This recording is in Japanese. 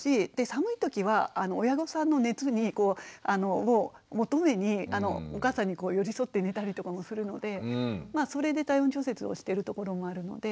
寒い時は親御さんの熱を求めにお母さんに寄り添って寝たりとかもするのでそれで体温調節をしてるところもあるので。